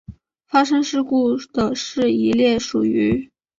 发生事故的是一列属于。